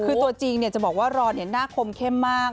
คือตัวจริงเนี่ยจะบอกว่ารอนเนี่ยหน้าคมเข้มมาก